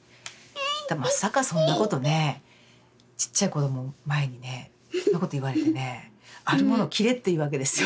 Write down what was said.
まさかそんなことねえちっちゃい子どもを前にねそんなこと言われてねあるものを切れって言うわけですよ。